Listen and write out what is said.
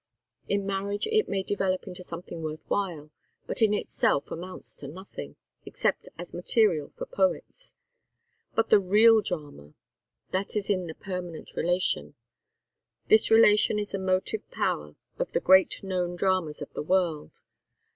In marriage it may develop into something worth while, but in itself amounts to nothing except as material for poets. But the real drama that is in the permanent relation. This relation is the motive power of the great known dramas of the world.